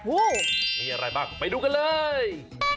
โอ้โหมีอะไรบ้างไปดูกันเลย